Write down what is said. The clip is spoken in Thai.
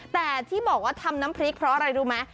แต่ที่บอกว่าทำน้ำพริกเพราะอะไรรู้ไหม